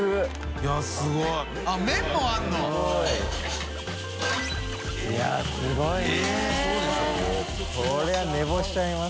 いやすごいな。